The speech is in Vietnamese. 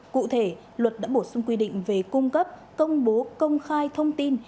cụ thể luật đã bổ sung quy định về cung cấp công bố công khai thông tin